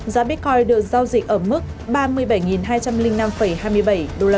giá bitcoin được giao dịch ở mức ba mươi bảy hai trăm linh năm hai mươi bảy usd